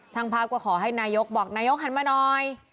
ภาพก็ขอให้นายกบอกนายกหันมาหน่อย